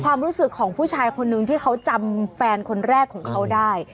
ความรู้สึกของผู้ชายคนนึงที่เขาจำแฟนคนแรกของเขาได้